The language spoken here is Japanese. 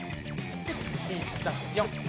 １２３４。